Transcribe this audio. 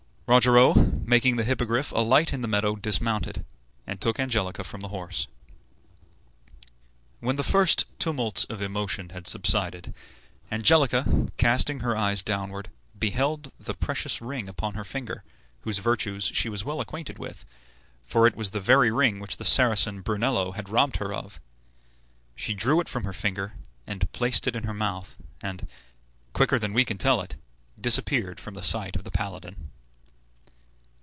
Rogero, making the Hippogriff alight in the meadow, dismounted, and took Angelica from the horse. When the first tumults of emotion had subsided Angelica, casting her eyes downward, beheld the precious ring upon her finger, whose virtues she was well acquainted with, for it was the very ring which the Saracen Brunello had robbed her of. She drew it from her finger and placed it in her mouth, and, quicker than we can tell it, disappeared from the sight of the paladin.